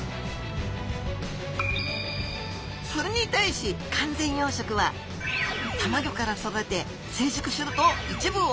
それに対し完全養殖はたまギョから育て成熟すると一部を出荷。